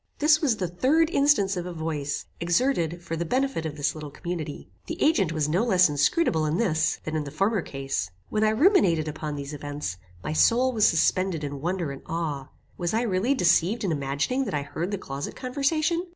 This was the third instance of a voice, exerted for the benefit of this little community. The agent was no less inscrutable in this, than in the former case. When I ruminated upon these events, my soul was suspended in wonder and awe. Was I really deceived in imagining that I heard the closet conversation?